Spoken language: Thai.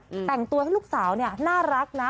แต่งตัวให้ลูกสาวเนี่ยน่ารักนะ